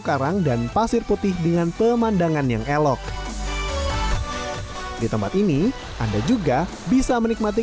karang dan pasir putih dengan pemandangan yang elok di tempat ini anda juga bisa menikmati